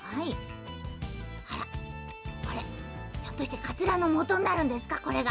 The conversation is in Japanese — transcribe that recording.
あらこれひょっとしてかつらのもとになるんですか？